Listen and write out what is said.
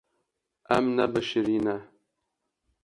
Em nebişirîne.